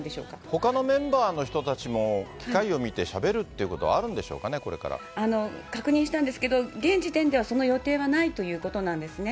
ほかのメンバーの人たちも、機会を見てしゃべるということは確認したんですけど、現時点ではその予定はないということなんですね。